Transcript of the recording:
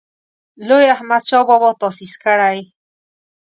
لوی احمدشاه بابا تاسیس کړی.